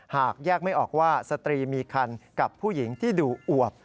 หากแยกไม่ออกว่าสตรีมีคันกับผู้หญิงที่ดูอวบ